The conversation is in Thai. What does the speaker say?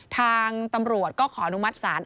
ทางตำรวจก็ขออนุมัติศาล